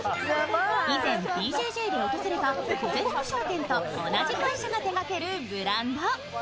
以前、ＢＪＪで訪れた久世福商店と同じ会社が手がけるブランド。